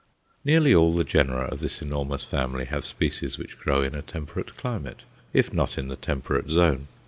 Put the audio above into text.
Nearly all the genera of this enormous family have species which grow in a temperate climate, if not in the temperate zone.